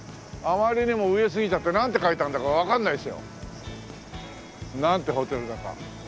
あまりにも上すぎちゃってなんて書いてあるんだかわかんないですよ。なんてホテルだか。